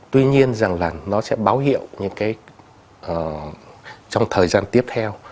tuy nhiên rằng là nó sẽ báo hiệu những cái trong thời gian tiếp theo